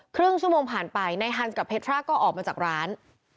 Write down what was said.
ครึ่งชั่วโมงผ่านไปนายฮันส์กับเพทราก็ออกมาจากร้าน